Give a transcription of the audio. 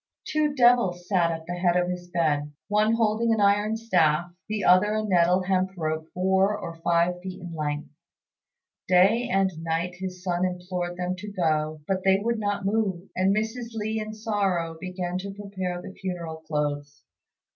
Two devils sat at the head of his bed, one holding an iron staff, the other a nettle hemp rope four or five feet in length. Day and night his son implored them to go, but they would not move; and Mrs. Li in sorrow began to prepare the funeral clothes.